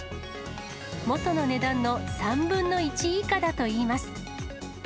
元の値段の３分の１以下だといいます。